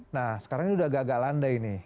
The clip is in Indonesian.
nah sekarang ini udah agak agak landai ini